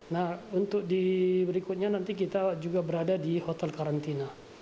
nah untuk di berikutnya nanti kita juga berada di hotel karantina